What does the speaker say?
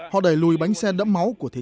họ đẩy lùi bánh xe đẫm máu của tên